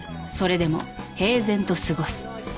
それでも平然と過ごす。